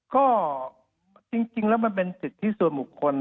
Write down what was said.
ก็จริงแล้วมันเป็นสิทธิส่วนบุคคล